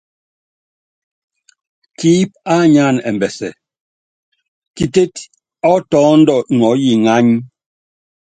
Kiíp á nyáan ɛmbɛsɛ, kitét ɔ́ tɔ́ndɔ ŋɔɔ́ yi ŋány.